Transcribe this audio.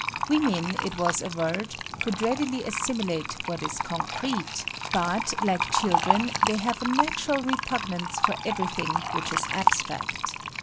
Women, it was averred, could readily assimilate what is concrete, but, like children, they have a natural repugnance for everything which is abstract.